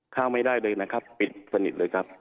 เข้าไม่ได้เลยนะครับปิดสนิทเลยครับ